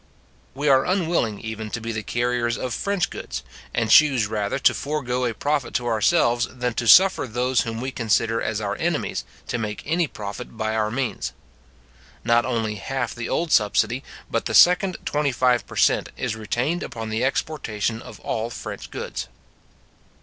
We are unwilling even to be the carriers of French goods, and choose rather to forego a profit to ourselves than to suffer those whom we consider as our enemies to make any profit by our means. Not only half the old subsidy, but the second twenty five per cent. is retained upon the exportation of all French goods.